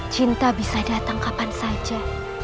cinta bisa datang kapan saja